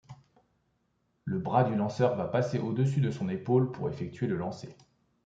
Le bras du lanceur va passer au-dessus de son épaule pour effectué le lancer.